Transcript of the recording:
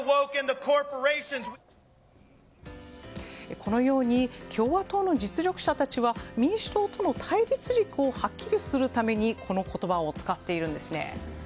このように共和党の実力者たちは民主党との対立軸をはっきりさせるためにこの言葉を使っているんです。